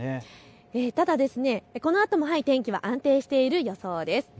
ただ、このあとも天気は安定している予想です。